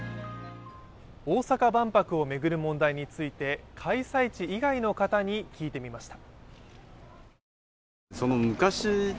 大阪万博を巡る問題について開催地以外の人に聞いてみました。